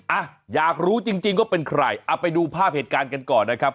อ่ะอยากรู้จริงจริงว่าเป็นใครเอาไปดูภาพเหตุการณ์กันก่อนนะครับ